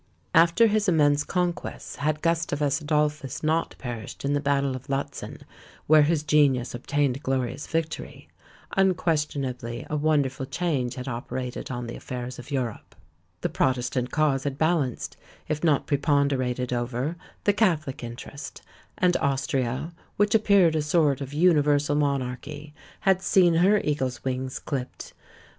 After his immense conquests, had Gustavus Adolphus not perished in the battle of Lutzen, where his genius obtained a glorious victory, unquestionably a wonderful change had operated on the affairs of Europe; the protestant cause had balanced, if not preponderated over, the catholic interest; and Austria, which appeared a sort of universal monarchy, had seen her eagle's wings clipped.